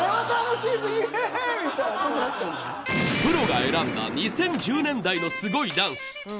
プロが選んだ２０１０年代のすごいダンス。